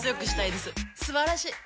すばらしい！